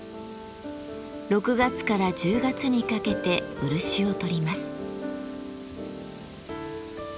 ６月から１０月にかけて漆をとります。